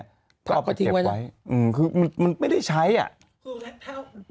เอาไปเก็บไว้อืมคือมันไม่ได้ใช้อ่ะแล้วจะทำบุญยังไงอ่ะคุณพิจีส์เก้าสาร